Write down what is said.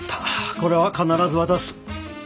これは必ず渡す。